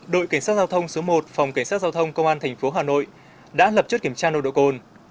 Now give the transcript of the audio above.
đội cảnh sát giao thông số một phòng cảnh sát giao thông công an tp hà nội đã lập chất kiểm tra nồng độ cồn